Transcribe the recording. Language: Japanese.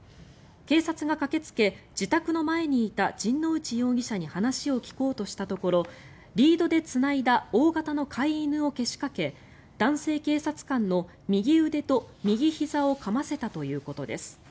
警察が駆けつけ自宅の前にいた陣内容疑者に話を聞こうとしたところリードでつないだ大型の飼い犬をけしかけ男性警察官の右腕と右ひざをかませたということです。